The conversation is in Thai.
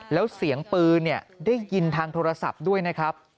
แล้วเสียงปืนได้ยินทางโทรศัพท์ด้วยนะครับ